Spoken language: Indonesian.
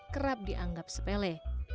kerap dianggap sepele